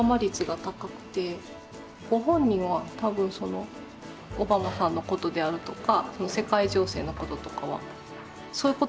ご本人は多分そのオバマさんのことであるとか世界情勢のこととかはそういうことではなくて。